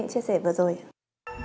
đăng ký kênh để ủng hộ kênh của mình nhé